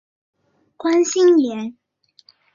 关心妍